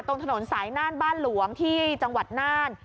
ตรงถนนสายน่านบ้านหลวงที่จังหวัดน่าน